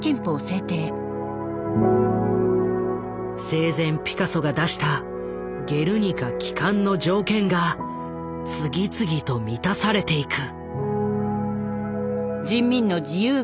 生前ピカソが出した「ゲルニカ」帰還の条件が次々と満たされていく。